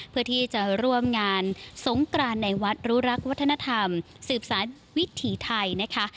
เพื่อที่จะร่วมงานสงกรานในวัดรู้รักวัฒนธรรมสืบสารวิถีไทยนะคะ